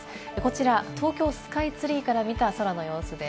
こちら東京スカイツリーから見た空の様子です。